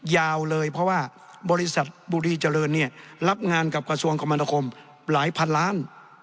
ยาวเลยเพราะว่าบริษัทบุรีเจริญเนี่ยรับงานกับกระทรวงคมนาคมหลายพันล้าน